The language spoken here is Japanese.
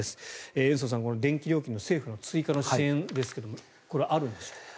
延増さん、電気料金の政府の追加の支援ですがあるんでしょうか。